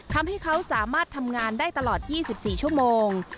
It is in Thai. ทำให้เขาสามารถทำงานได้ตลอด๒๔ชั่วโมง